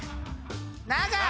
長い！